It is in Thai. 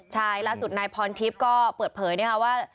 ใช่ล่าสุดนายพรทิพย์ก็เปิดเผยนะคะว่า